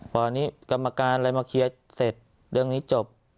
พอนี้กรรมการอะไรมาเคลียร์เสร็จเรื่องนี้จบ